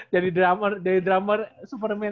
jadi drummer jadi drummer superman